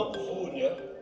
lebih mudah karena punya